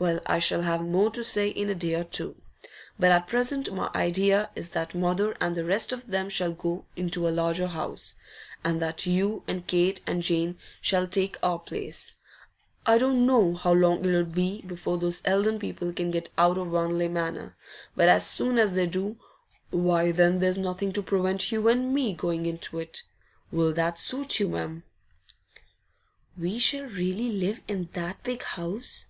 Well, I shall have more to say in a day or two. But at present my idea is that mother and the rest of them shall go into a larger house, and that you and Kate and Jane shall take our place. I don't know how long it'll be before those Eldon people can get out of Wanley Manor, but as soon as they do, why then there's nothing to prevent you and me going into it. Will that suit you, Em?' 'We shall really live in that big house?